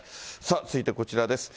続いてこちらです。